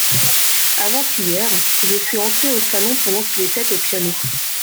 Avant-hier, je suis entré au salon pendant qu’il était au piano…